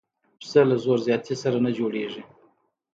پسه له زور زیاتي سره نه جوړېږي.